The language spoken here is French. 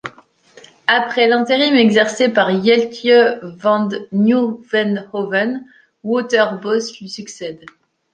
Après l'intérim exercé par Jeltje van Nieuwenhoven, Wouter Bos lui succède.